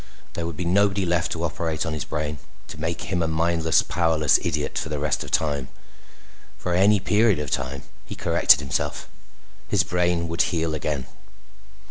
There would be nobody left to operate on his brain, to make him a mindless, powerless idiot for the rest of time. For any period of time, he corrected himself. His brain would heal again.